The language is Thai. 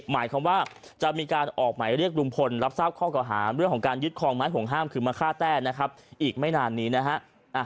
หมายความว่าจะมีการออกหมายเรียกลุงพลรับทราบข้อเก่าหาเรื่องของการยึดคลองไม้ห่วงห้ามคือมาฆ่าแต้นะครับอีกไม่นานนี้นะฮะ